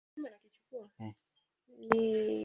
zikiwa zimesalia bado senduke milioni tatu laki nane na elfu